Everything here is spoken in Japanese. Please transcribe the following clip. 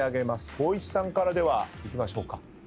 光一さんからではいきましょうか。